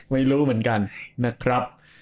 ไม่รู้เหมือนกันนะครับ